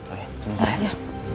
oke simpen ya